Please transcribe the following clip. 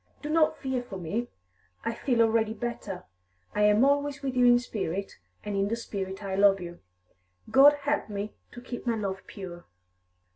Do not fear for me; I feel already better. I am always with you in spirit, and in the spirit I love you; God help me to keep my love pure!"